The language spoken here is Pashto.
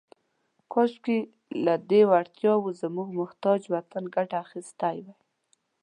« کاشکې، لهٔ دې وړتیاوو زموږ محتاج وطن ګټه اخیستې وای. »